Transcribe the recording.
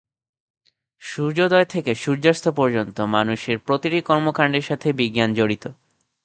সূর্যোদয় থেকে সূর্যাস্ত পর্যন্ত মানুষের প্রতিটি কর্মকান্ডের সাথে বিজ্ঞান জড়িত।